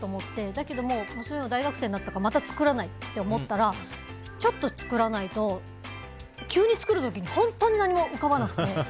だけど、娘は大学生になったからまた作らないって思ったらちょっと作らないと急に作る時に本当に何も浮かばなくて。